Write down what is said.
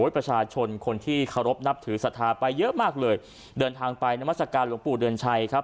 ประชาชนคนที่เคารพนับถือศรัทธาไปเยอะมากเลยเดินทางไปนามัศกาลหลวงปู่เดือนชัยครับ